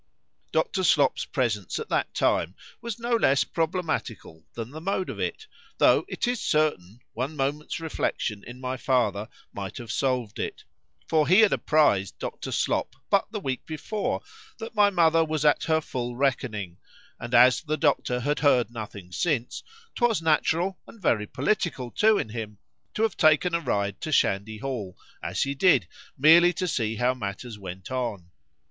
Dr. Slop's presence at that time, was no less problematical than the mode of it; tho' it is certain, one moment's reflexion in my father might have solved it; for he had apprized Dr. Slop but the week before, that my mother was at her full reckoning; and as the doctor had heard nothing since, 'twas natural and very political too in him, to have taken a ride to Shandy Hall, as he did, merely to see how matters went on.